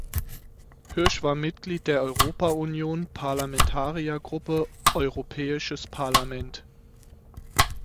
Hirsch war Mitglied der Europa-Union Parlamentariergruppe Europäisches Parlament.